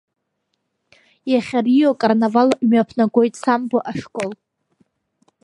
Иахьа, Рио акарнавал мҩаԥнагоит самбо Ашкол.